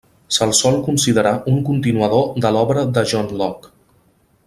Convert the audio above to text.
Se'l sol considerar un continuador de l'obra de John Locke.